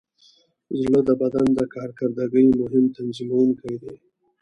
زړه د بدن د کارکردګۍ مهم تنظیموونکی دی.